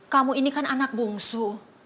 kamu ini kan anak bungsu